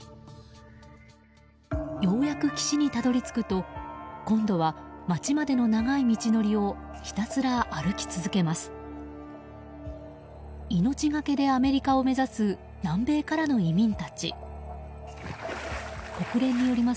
ようやく岸にたどり着くと今度は、街までの長い道のりをひたすら歩き続けます。